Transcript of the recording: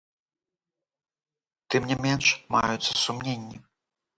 Тым не менш, маюцца сумненні.